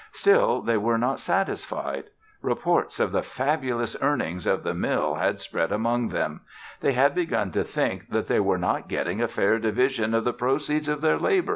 Still, they were not satisfied. Reports of the fabulous earnings of the mill had spread among them. They had begun to think that they were not getting a fair division of the proceeds of their labor.